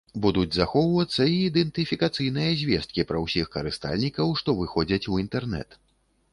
Будуць захоўвацца і ідэнтыфікацыйныя звесткі пра ўсіх карыстальнікаў, што выходзяць у інтэрнэт.